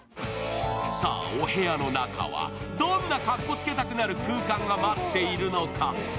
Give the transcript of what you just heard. さあ、お部屋の中はどんなかっこつけたくなる空間が待っているのか？